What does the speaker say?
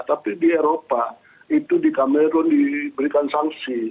tapi di eropa itu di kamerun diberikan sanksi